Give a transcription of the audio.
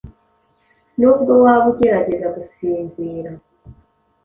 nubwo waba ugerageza gusinzira